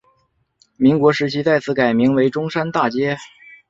民国时期再次改名为中山大街。